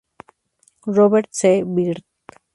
Robert C. Byrd.